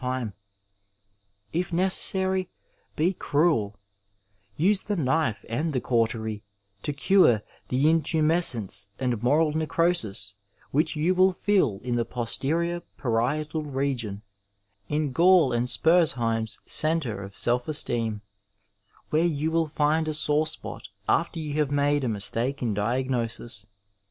If 431 Digitized by Google THE STUDENT LIFE necessary, be cruel ; use the knife and the cautery to cure the intumescence and moral necrosis which you will feel in the posterior parietal region, in OaU and Spurzheim's centre of self esteem, where you will find a sore spot after you have made a mistake in diagnosis.